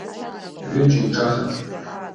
Ҩыџьа еиҿаҳан.